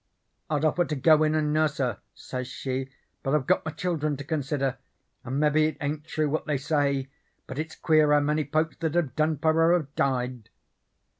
"'I'd offer to go in and nurse her,' says she, 'but I've got my children to consider, and mebbe it ain't true what they say, but it's queer how many folks that have done for her have died.'